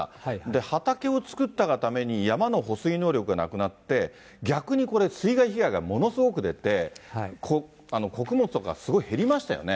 畑を作ったがために、山の保水能力がなくなって、逆にこれ、水害被害がものすごく出て、穀物とかすごい減りましたよね。